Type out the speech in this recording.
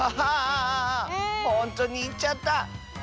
ああほんとうにいっちゃった！